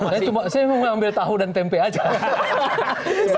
ambil tahu dan tempe aja ya sehingga ibu bukan makan ya kan sudah dia berdiskusi bicara tentang